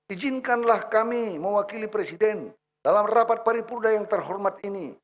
ijinkanlah kami mewakili presiden dalam rapat paripurna yang terhormat ini